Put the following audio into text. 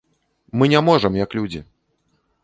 Мы не можам, як людзі.